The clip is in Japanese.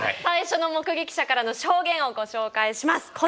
最初の目撃者からの証言をご紹介します。